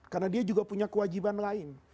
karena dia juga punya kewajiban lain